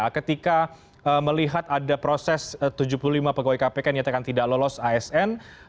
ketika melihat ada proses tujuh puluh lima pegawai kpk nyatakan tidak lolos asn